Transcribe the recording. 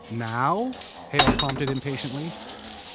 "Now?" Hale prompted impatiently.